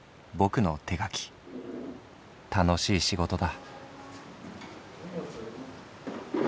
楽しい仕事だ」。